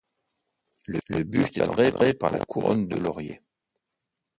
Le buste est encardré par la couronne de lauriers.